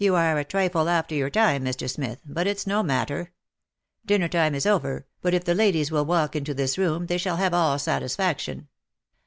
You are a trifle after your time, Mr. Smith, but it's no matter; dinner time is over, but if the ladies will walk into this room they shall have all satisfaction.